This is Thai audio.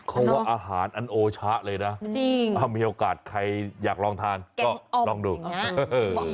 เขาว่าอาหารอันโอชะเลยนะจริงถ้ามีโอกาสใครอยากลองทานก็ลองดูเออ